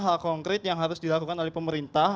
hal konkret yang harus dilakukan oleh pemerintah